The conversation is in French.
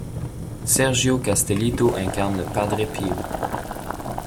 Sergio Castellitto incarne Padre Pio.